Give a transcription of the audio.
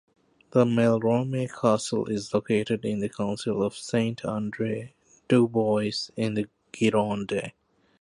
The Malromé Castle is located in the council of Saint-André-du-Bois, in the Gironde.